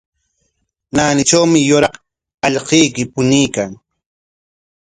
Naanitrawmi yuraq allquyki puñuykan.